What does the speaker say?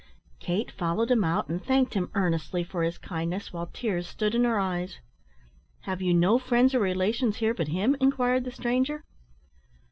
'" Kate followed him out, and thanked him earnestly for his kindness, while tears stood in her eyes. "Have you no friends or relations here but him!" inquired the stranger.